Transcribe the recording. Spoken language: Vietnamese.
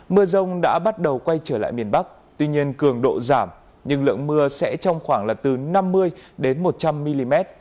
mưa rông đã bắt đầu quay trở lại miền bắc tuy nhiên cường độ giảm nhưng lượng mưa sẽ trong khoảng là từ năm mươi đến một trăm linh mm